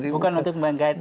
bukan untuk menggait milenial